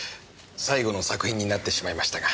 最後の作品になってしまいましたが。